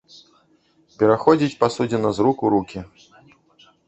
Пераходзіць пасудзіна з рук у рукі.